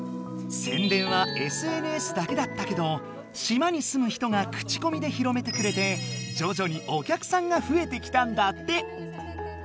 だけだったけど島に住む人がクチコミで広めてくれてじょじょにお客さんがふえてきたんだって！